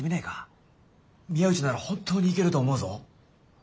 宮内なら本当に行けると思うぞ。